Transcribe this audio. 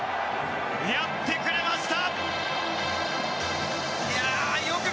やってくれました！